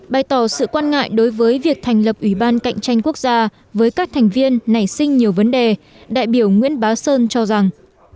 bày tỏ sự quan ngại đối với việc thành lập ủy ban cạnh tranh quốc gia với các thành viên nảy sinh nhiều vấn đề đại biểu nguyễn bá sơn cho rằng